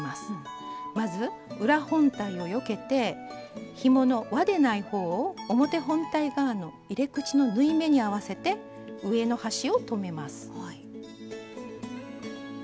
まず裏本体をよけてひものわでない方を表本体側の入れ口の縫い目に合わせて上の端を留めます。